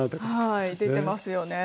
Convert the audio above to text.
はい出てますよね。